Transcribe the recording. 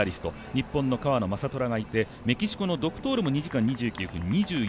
日本の川野将虎がいてメキシコのドクトールも２時間２９分２４秒。